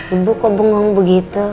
ibu kok bengong begitu